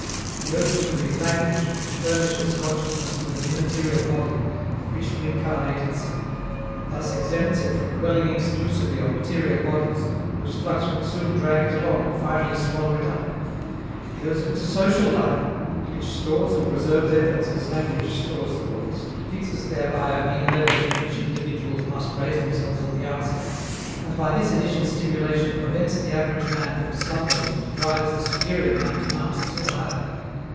He owes it to his language, which furnishes consciousness with an immaterial body in which to incarnate itself and thus exempts it from dwelling exclusively on material bodies, whose flux would soon drag it along and finally swallow it up. He owes it to social life, which stores and preserves efforts as language stores thought, fixes thereby a mean level to which individuals must raise themselves at the outset, and by this initial stimulation prevents the average man from slumbering and drives the superior man to mount still higher.